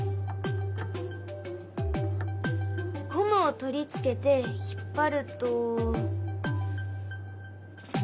ゴムを取り付けて引っ張ると。